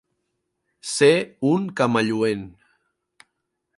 Ser un camalluent.